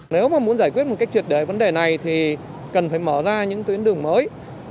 nếu mà muốn giải quyết một cách triệt để vấn đề này thì cần phải mở ra những tuyến đường mới